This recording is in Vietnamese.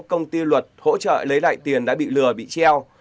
trong trang quảng cáo công ty luật hỗ trợ lấy lại tiền đã bị lừa bị treo